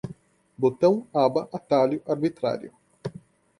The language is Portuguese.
botão, aba, atalho, arbitrário